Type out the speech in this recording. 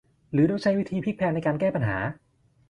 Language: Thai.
หรือต้องใช้วิธีพลิกแพลงในการแก้ปัญหา